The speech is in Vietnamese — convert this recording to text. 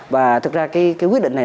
và thực ra cái quyết định này